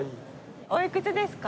おいくつですか？